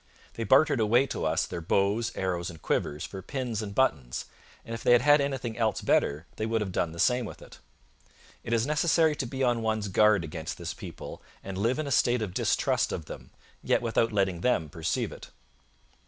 They bartered away to us their bows, arrows, and quivers for pins and buttons; and if they had had any thing else better they would have done the same with it. It is necessary to be on one's guard against this people and live in a state of distrust of them, yet without letting them perceive it.